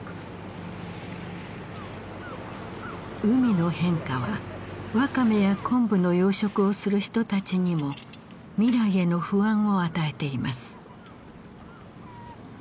海の変化はワカメやコンブの養殖をする人たちにも未来への不安を与えています。